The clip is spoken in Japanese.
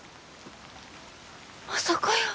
まさかやー。